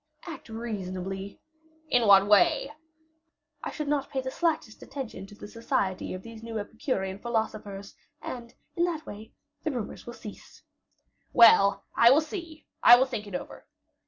"Act reasonably." "In what way?" "I should not pay the slightest attention to the society of these new Epicurean philosophers; and, in that way, the rumors will cease." "Well, I will see; I will think it over."